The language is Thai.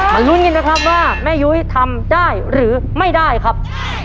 ลุ้นกันนะครับว่าแม่ยุ้ยทำได้หรือไม่ได้ครับ